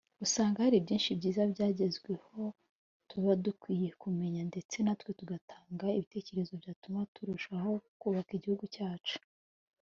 usanga hari byinshi byiza byagezweho tuba dukwiye kumenya ndetse natwe tugatanga ibitekerezo byatuma turushaho kubaka igihugu cyacu »